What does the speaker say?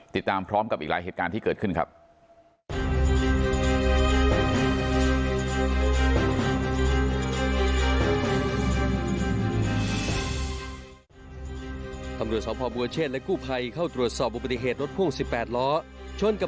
ติดตามพร้อมกับอีกหลายเหตุการณ์ที่เกิดขึ้นครับ